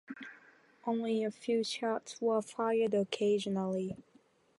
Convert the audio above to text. Only a few shots were fired occasionally.